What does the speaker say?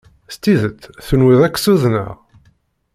S tidet tenwiḍ ad k-ssudneɣ?